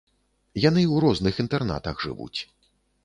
Яны ў розных інтэрнатах жывуць.